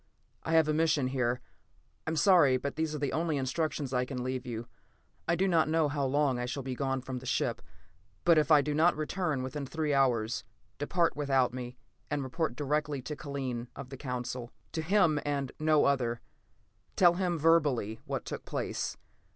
"I have a mission here. I am sorry, but these are the only instructions I can leave you. "I do not know how long I shall be gone from the ship, but if I do not return within three hours, depart without me, and report directly to Kellen of the Council. To him, and no other. Tell him, verbally, what took place.